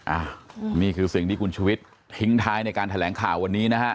อ่ะนี่คือสิ่งที่คุณชุวิตทิ้งท้ายในการแถลงข่าววันนี้นะฮะ